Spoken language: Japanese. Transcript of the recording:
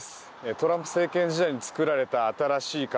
トランプ政権時代に作られた新しい壁。